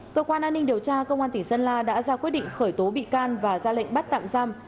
cơ quan an ninh điều tra công an tỉnh sơn la đã ra quyết định khởi tố bị can và ra lệnh bắt tạm giam